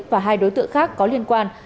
và hai đối tượng khác có liên quan